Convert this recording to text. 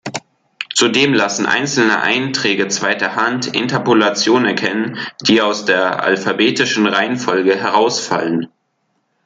Zudem lassen einzelne Einträge zweiter Hand Interpolationen erkennen, die aus der alphabetischen Reihenfolge herausfallen.